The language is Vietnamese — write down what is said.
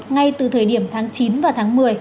ngay từ thời điểm tháng chín và tháng một mươi